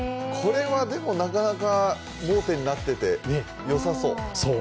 これはでも、なかなか盲点になっていて、よさそう。